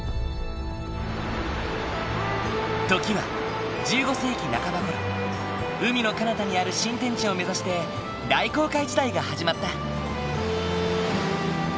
時は１５世紀半ばごろ海のかなたにある新天地を目指して大航海時代が始まった。